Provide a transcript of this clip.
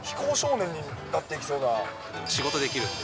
仕事できるんで。